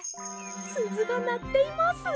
すずがなっています！